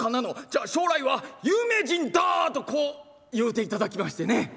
じゃあ将来は有名人だ！」とこう言うていただきましてね。